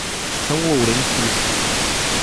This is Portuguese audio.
São Lourenço do Sul